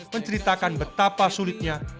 menceritakan betapa sulitnya